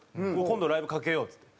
「今度ライブかけよう」っつって。